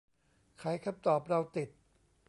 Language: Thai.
ไขคำตอบเราติด